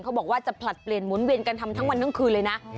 บอกว่าจะผลัดเปลี่ยนหมุนเวียนกันทำทั้งวันทั้งคืนเลยนะ